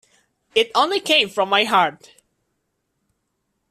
It only came from my heart.